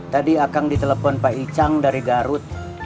tadi akan ditelepon pak icang dari garut